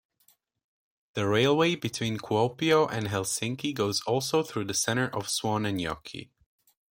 The railway between Kuopio and Helsinki goes also through the center of Suonenjoki.